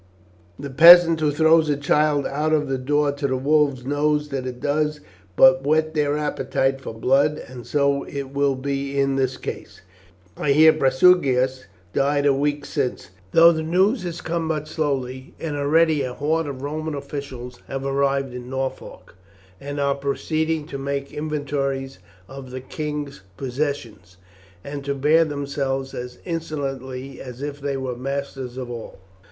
The peasant who throws a child out of the door to the wolves knows that it does but whet their appetite for blood, and so it will be in this case. I hear Prasutagus died a week since, though the news has come but slowly, and already a horde of Roman officials have arrived in Norfolk, and are proceeding to make inventories of the king's possessions, and to bear themselves as insolently as if they were masters of all.